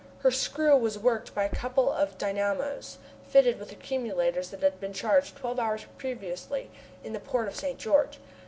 Her screw was worked by a couple of dynamos fitted with accumulators that had been charged twelve hours previously in the port of St. George.